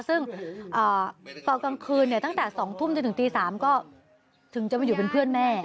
ซึ่งตอนกลางคืนตั้งแต่๒ทุ่มจนถึงตี๓ก็ถึงจะมาอยู่เป็นเพื่อนแม่